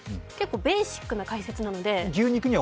結構ベーシックな解説なので。